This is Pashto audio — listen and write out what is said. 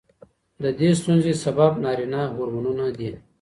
د دې ستونزې سبب نارینه هورمونونه دي.